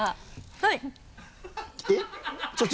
はい！